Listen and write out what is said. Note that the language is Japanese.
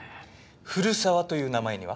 古沢という名前には？